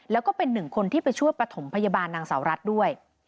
แล้วก็เป็นหนึ่งคนที่ไปช่วยประถมพยาบาลนางสาวรัฐด้วย